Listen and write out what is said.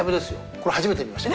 これ初めて見ました。